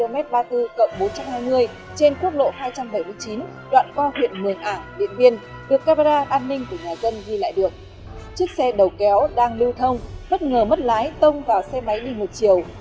một chiếc xe đầu kéo đang lưu thông bất ngờ mất lái tông vào xe máy đi một chiều